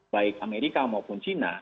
baik amerika maupun china